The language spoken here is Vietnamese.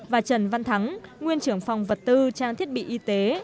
và trần văn thắng nguyên trưởng phòng vật tư trang thiết bị y tế